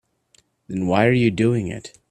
Then why are you doing it?